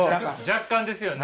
若干ですよね。